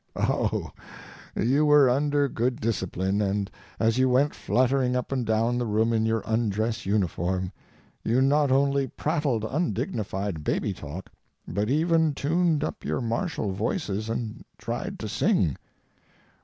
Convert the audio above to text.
Oh! you were under good discipline, and as you went fluttering up and down the room in your undress uniform, you not only prattled undignified baby talk, but even tuned up your martial voices and tried to sing!